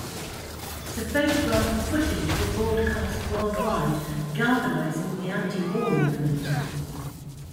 The photograph and footage were broadcast worldwide, galvanizing the anti-war movement.